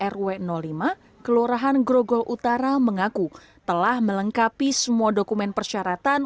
rw lima kelurahan grogol utara mengaku telah melengkapi semua dokumen persyaratan